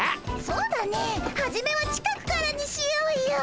そうだねえはじめは近くからにしようよ。